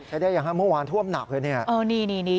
ใช้ได้อย่างเมื่อวานท่วมหนักเลยเนี่ย